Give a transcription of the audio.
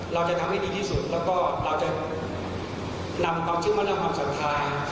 เราจะทำให้ดีที่สุดแล้วก็เราจะนำความเชื่อมั่นและความศรัทธา